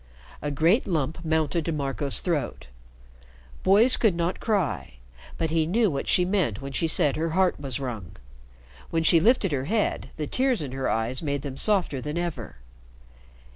A great lump mounted to Marco's throat. Boys could not cry, but he knew what she meant when he said her heart was wrung. When she lifted her head, the tears in her eyes made them softer than ever.